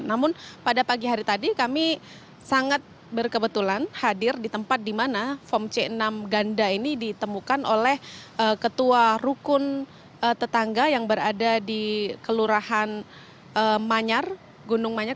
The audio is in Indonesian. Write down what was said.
namun pada pagi hari tadi kami sangat berkebetulan hadir di tempat di mana form c enam ganda ini ditemukan oleh ketua rukun tetangga yang berada di kelurahan manyar gunung manyar